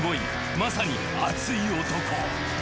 まさに熱い男。